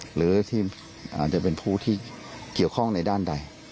หรือเป็นผู้ที่เกี่ยวข้องในด้านใด